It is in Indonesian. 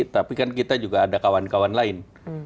tapi kan kita juga ada kawan kawan lain